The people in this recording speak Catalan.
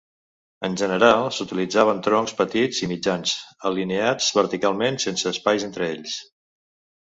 En general s'utilitzaven troncs petits i mitjans, alineats verticalment, sense espais entre ells.